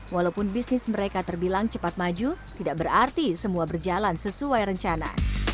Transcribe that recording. walaupun bisnis mereka terbilang cepat maju tidak berarti semua berjalan sesuai rencana